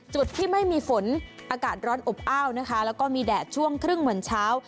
จุดที่ไม่มีฝนอากาศร้อนอบอ้าวนะคะแล้วก็มีแดดช่วงครึ่งเหมือนเช้า